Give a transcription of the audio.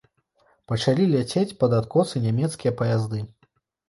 Пачалі ляцець пад адкосы нямецкія паязды.